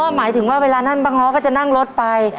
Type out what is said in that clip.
หมายถึงว่าเวลานั้นบางง้อก็จะนั่งรถไป